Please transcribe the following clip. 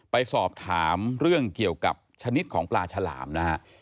ไปสอบถามเรื่องเกี่ยวกับชนิดของปลาฉลามนะฮะ